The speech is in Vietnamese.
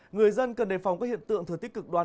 người dân cần đề phòng các hiện tượng thừa tích cực đoan